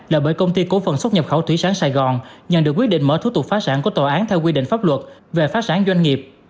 là bởi công ty cổ phần xuất nhập khẩu thủy sản sài gòn nhận được quyết định mở thú tục phá sản của tòa án theo quy định pháp luật về phát sản doanh nghiệp